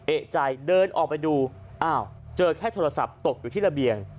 เอกใจเดินออกไปดูอ้าวเจอแค่โทรศัพท์ตกอยู่ที่ระเบียง